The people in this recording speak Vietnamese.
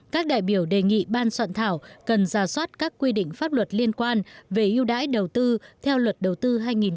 các đại biểu đề nghị ban soạn thảo cần ra soát các quy định pháp luật liên quan về ưu đãi đầu tư theo luật đầu tư hai nghìn một mươi